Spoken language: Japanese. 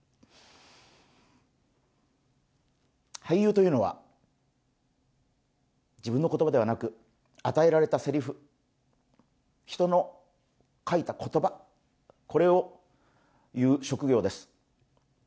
俳優というのは、自分の言葉ではなく与えられたせりふ、人の書いた言葉これを言う職業です。